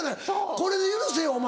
これで許せよお前」。